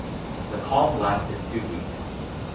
The calm lasted two weeks.